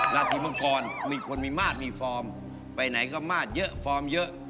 ราศีมังกรมีคนมีมาตรมีฟอร์มไปไหนก็มาดเยอะฟอร์มเยอะ